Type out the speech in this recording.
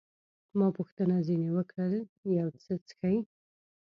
ما پوښتنه ځیني وکړل، یو څه څښئ؟